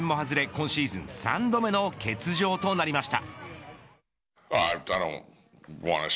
今シーズン３度目の欠場となりました。